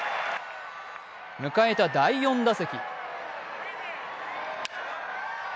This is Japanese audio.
迎えた第４打席。